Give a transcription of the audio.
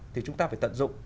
thì chúng ta phải tận dụng